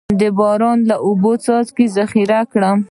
د باران اوبه څنګه ذخیره کړم؟